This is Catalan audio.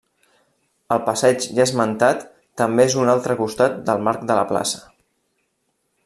El passeig ja esmentat també és un altre costat del marc de la plaça.